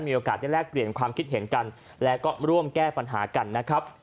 มีโอกาสได้แลกเปลี่ยนความคิดเห็นกันและก็ร่วมแก้ปัญหากันนะครับ